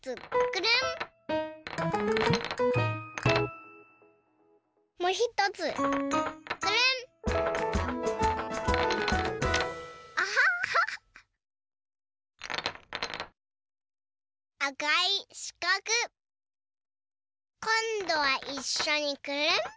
こんどはいっしょにくるん！